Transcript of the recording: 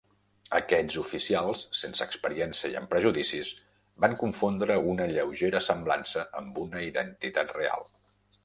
Aquests oficials, sense experiència i amb prejudicis, van confondre una lleugera semblança amb una identitat real.